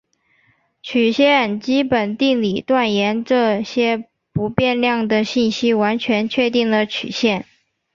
曲线基本定理断言这些不变量的信息完全确定了曲线。